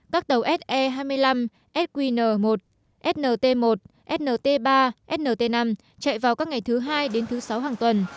các tàu se hai mươi năm sqn một snt một snt ba snt năm chạy vào các ngày thứ hai đến thứ sáu hàng tuần